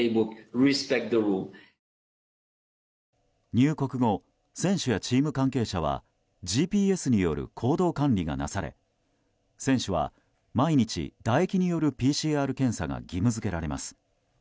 入国後、選手やチーム関係者はＧＰＳによる行動管理がなされ選手は、毎日唾液によるＰＣＲ検査が義務付けられます。